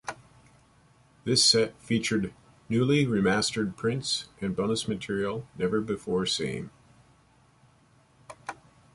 This set featured newly remastered prints and bonus material never before seen.